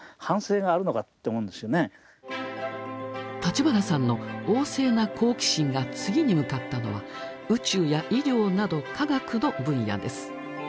立花さんの旺盛な好奇心が次に向かったのは宇宙や医療など科学の分野です。